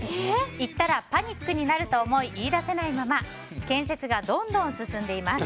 言ったらパニックになると思い言い出せないまま建設がどんどん進んでいます。